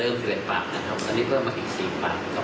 คือตอนนี้เราสอบกับคำเพิ่มแถบเดิม๑๑ปากนะครับ